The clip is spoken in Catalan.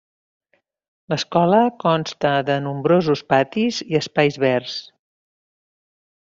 L'escola consta de nombrosos patis i espais verds.